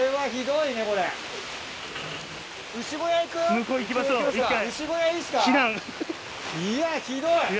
いやひどい！